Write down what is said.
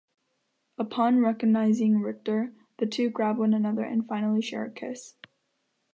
Upon recognizing Rictor, the two grab one another and finally share a kiss.